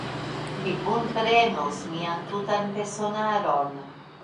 Mi kunprenos mian tutan personaron.